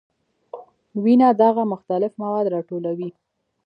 وینه دغه مختلف مواد راټولوي.